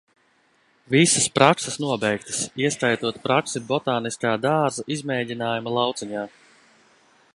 Visas prakses nobeigtas, ieskaitot praksi Botāniskā dārza izmēģinājuma lauciņā.